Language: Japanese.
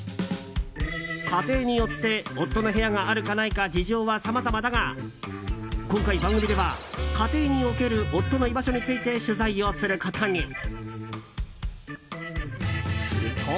家庭によって夫の部屋があるかないか事情はさまざまだが今回、番組では家庭における夫の居場所について取材をすることに。